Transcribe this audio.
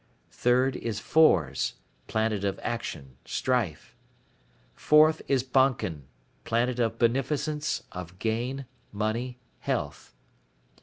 Third is Fors, planet of action, strife. Fourth is Bonken, planet of beneficence, of gain, money, health.